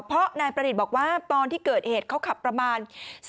เพราะนายประดิษฐ์บอกว่าตอนที่เกิดเหตุเขาขับประมาณ